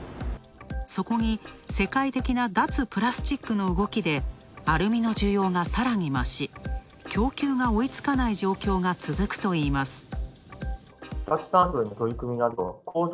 そこに世界的な脱プラスチックの動きでアルミの需要がさらに増し、供給が追いつかない状況が続くといいます。